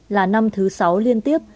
là năm thứ sáu liên tiếp